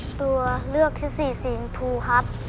ตัวเลือกที่สี่สีชมพูครับ